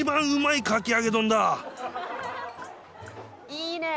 「いいね！